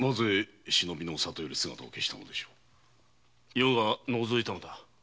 余が除いたのだ。